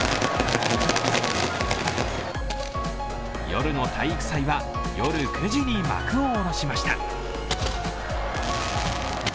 夜の体育祭は夜９時に幕を下ろしました。